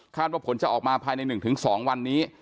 ว่าผลจะออกมาภายใน๑๒วันนี้